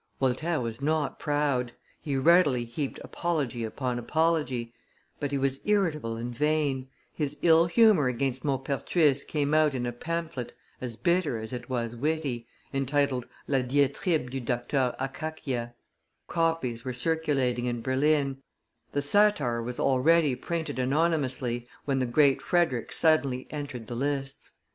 Voltaire was not proud; he readily heaped apology upon apology; but he was irritable and vain; his ill humor against Maupertuis came out in a pamphlet, as bitter as it was witty, entitled La Diatribe du Docteur Akakia; copies were circulating in Berlin; the satire was already printed anonymously, when the Great Frederick suddenly entered the lists.